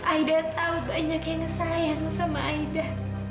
aida tahu banyak yang sayang sama aida